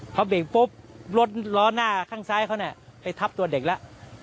พอเบรกปุ๊บรถล้อหน้าข้างซ้ายเขาเนี่ยไปทับตัวเด็กแล้ว